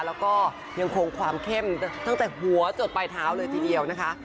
แล้วก็ยังคงความเข้มตั้งแต่หัวจนปลายเท้าเลยทีเดียวนะคะ